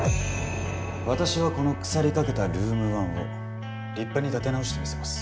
私はこの腐りかけたルーム１を立派に立て直してみせます。